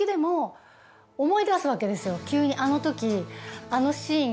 急に「あの時」。